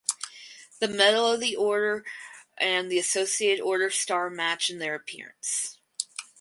The medal of the order and the associated order star match in their appearance.